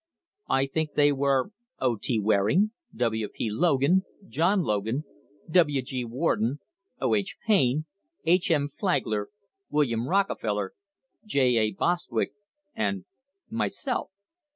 I think they were O. T. Waring, W. P. Logan, John Logan, W. G. Warden, O. H. Payne, H. M. Flagler, William Rockefeller, J A. Bostwick, and myself.